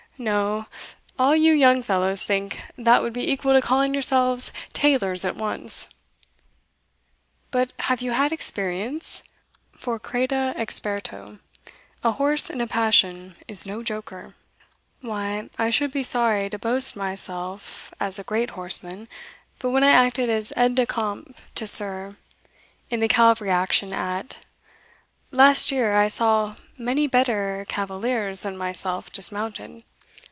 "No all you young fellows think that would be equal to calling yourselves tailors at once But have you had experience? for, crede experto, a horse in a passion is no joker." "Why, I should be sorry to boast myself as a great horseman; but when I acted as aide de camp to Sir in the cavalry action at , last year, I saw many better cavaliers than myself dismounted."